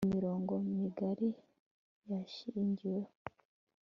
imirongo migari yashingiweho